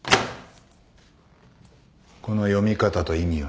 この読み方と意味は？